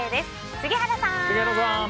杉原さん！